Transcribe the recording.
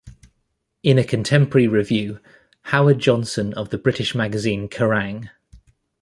In a contemporary review, Howard Johnson of the British magazine Kerrang!